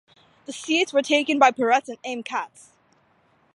The seats were taken by Peretz and Haim Katz.